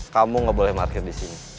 kamu gak boleh market disini